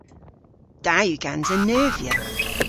Da yw gansa neuvya.